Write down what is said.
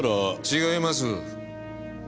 違います。